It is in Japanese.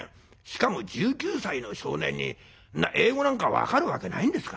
しかも１９歳の少年に英語なんか分かるわけないんですから。